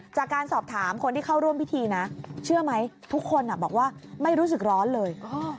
จากการสอบถามคนที่เข้าร่วมพิธีนะเชื่อไหมทุกคนบอกว่าไม่รู้สึกร้อนเลย